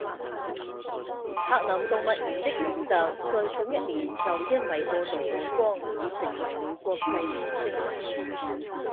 柏林动物园的努特在上一年就因为过度曝光而成为了国际明星。